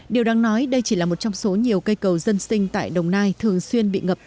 điều đáng nói đây chỉ là một trong số nhiều cây cầu dân sinh tại đồng nai thường xuyên bị ngập